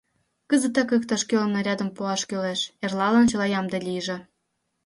Кызытак иктаж-кӧлан нарядым пуаш кӱлеш, эрлалан чыла ямде лийже.